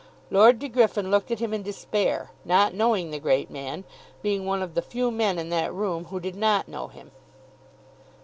Lord De Griffin looked at him in despair, not knowing the great man, being one of the few men in that room who did not know him.